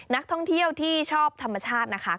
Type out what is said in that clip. นักท่องเที่ยวที่ชอบธรรมชาตินะคะ